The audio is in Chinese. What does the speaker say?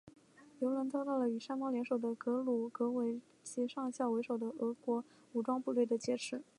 油轮遭到了与山猫联手的格鲁格维奇上校为首的俄国武装部队的劫持。